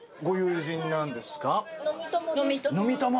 飲み友！